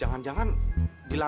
dengan makhluk sendiri